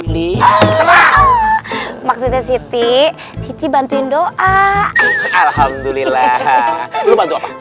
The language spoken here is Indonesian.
dikawani maksudnya siti siti bantuin doa alhamdulillah